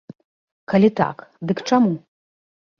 Калі так, дык чаму?